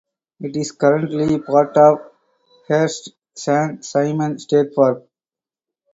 It is currently part of Hearst San Simeon State Park.